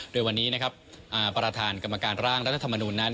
โดยวันนี้นะครับประธานกรรมการร่างรัฐธรรมนูลนั้น